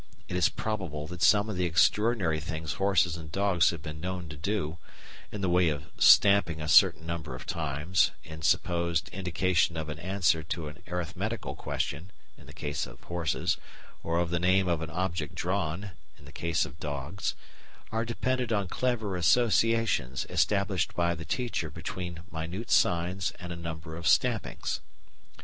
It is probable that some of the extraordinary things horses and dogs have been known to do in the way of stamping a certain number of times in supposed indication of an answer to an arithmetical question (in the case of horses), or of the name of an object drawn (in the case of dogs), are dependent on clever associations established by the teacher between minute signs and a number of stampings.